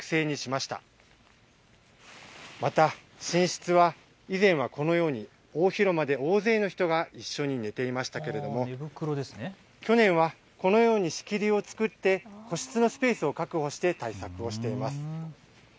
また寝室は以前はこのように大広間で大勢の人が一緒に寝ていましたけれども去年はこのように仕切りを作って個室のスペースを確保して対策をしています。